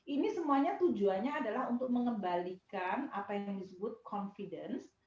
ini semuanya tujuannya adalah untuk mengembalikan apa yang disebut confidence